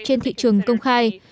trên thị trường công khai